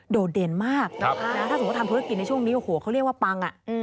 โดดเด่นมากนะครับถ้าสมมุติว่าทำเทพธิกินในช่วงนี้โอ้โหเขาเรียกว่าปัง